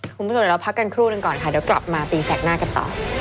คุณผู้ชมเดี๋ยวเราพักกันครู่หนึ่งก่อนค่ะเดี๋ยวกลับมาตีแสกหน้ากันต่อ